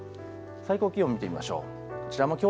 最高気温、見てみましょう。